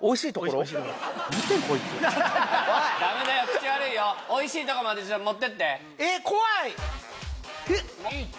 ダメだよ口悪いよおいしいとこまで持ってってえっ怖いフッ！